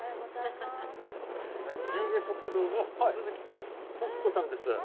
龍華食堂の鈴木徳子さんです。